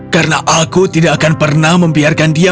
karena aku tidak akan pernah membiarkan dia